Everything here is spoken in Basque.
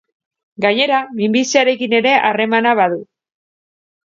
Gainera, minbiziarekin ere harremana badu.